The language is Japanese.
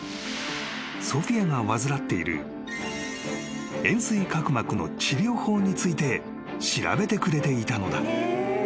［ソフィアが患っている円錐角膜の治療法について調べてくれていたのだ］